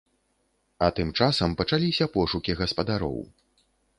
А тым часам пачаліся пошукі гаспадароў.